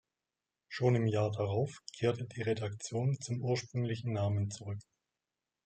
Schon im Jahr darauf kehrte die Redaktion zum ursprünglichen Namen zurück.